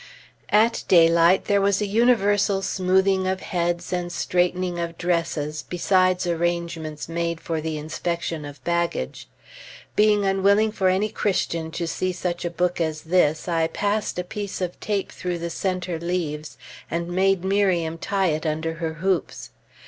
At daylight there was a universal smoothing of heads, and straightening of dresses, besides arrangements made for the inspection of baggage. Being unwilling for any Christian to see such a book as this, I passed a piece of tape through the centre leaves, and made Miriam tie it under her hoops.